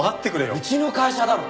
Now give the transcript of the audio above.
うちの会社だろ？